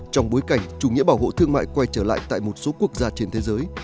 trong bối cảnh chủ nghĩa bảo hộ thương mại quay trở lại tại một số quốc gia trên thế giới